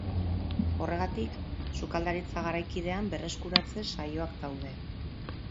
Horregatik, sukaldaritza garaikidean berreskuratze saioak daude.